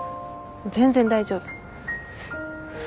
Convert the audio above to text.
全然大丈夫。